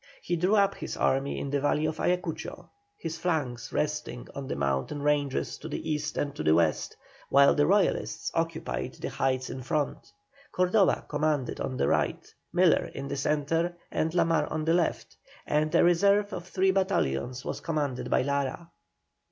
He drew up his army in the valley of Ayacucho, his flanks resting on the mountain ranges to the east and to the west, while the Royalists occupied the heights in front. Cordoba commanded on the right, Miller in the centre, and La Mar on the left, and a reserve of three battalions was commanded by Lara.